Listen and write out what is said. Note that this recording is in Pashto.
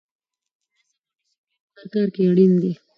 نظم او ډسپلین په هر کار کې اړین دی.